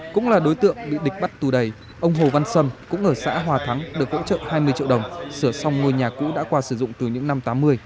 cũng là đối tượng bị địch bắt tù đầy ông hồ văn sâm cũng ở xã hòa thắng được hỗ trợ hai mươi triệu đồng sửa xong ngôi nhà cũ đã qua sử dụng từ những năm tám mươi